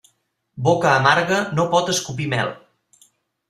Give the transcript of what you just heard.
Boca amarga no pot escopir mel.